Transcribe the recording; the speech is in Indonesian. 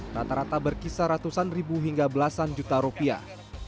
rata rata berkisar ratusan ribu hingga belasan juta rupiah